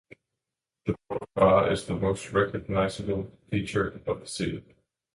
The Port of Bar is the most recognizable feature of the city.